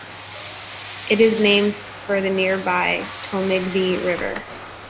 It is named for the nearby Tombigbee River.